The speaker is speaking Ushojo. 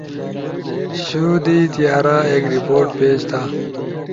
شو، دی تیارا، ایک رپورٹ پیش تھا